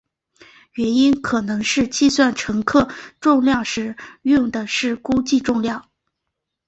原因可能是计算乘客重量时用的是估计重量。